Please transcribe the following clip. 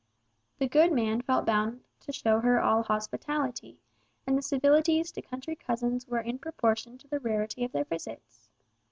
The good man felt bound to show her all hospitality, and the civilities to country cousins were in proportion to the rarity of their visits.